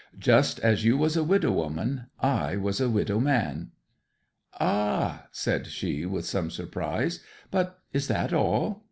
Just as you was a widow woman, I was a widow man. 'Ah!' said she, with some surprise. 'But is that all?